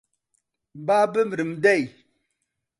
با بمرم دەی